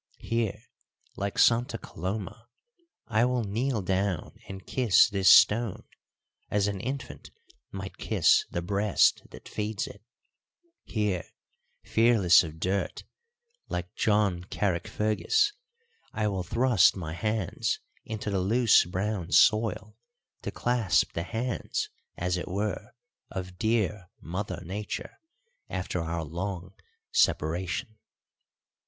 Here, like Santa Coloma, I will kneel down and kiss this stone, as an infant might kiss the breast that feeds it; here, fearless of dirt, like John Carrickfergus, I will thrust my hands into the loose brown soil to clasp the hands, as it were, of dear mother Nature after our long separation.